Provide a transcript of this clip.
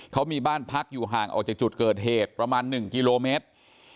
เขามีบ้านพักอยู่ห่างออกจากจุดเกิดเหตุประมาณ๑กิโลเมตร